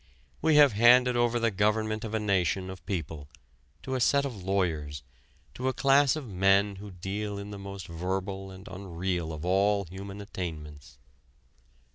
We have handed over the government of a nation of people to a set of lawyers, to a class of men who deal in the most verbal and unreal of all human attainments.